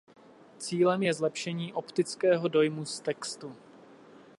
Cílem je zlepšení optického dojmu z textu.